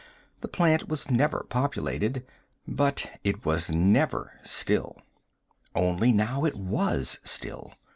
The plant was never populated, but it was never still. Only now it was still.